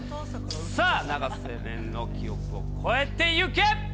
さあ、永瀬廉の記録を超えてゆけ。